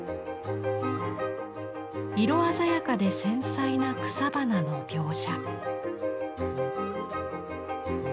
色鮮やかで繊細な草花の描写。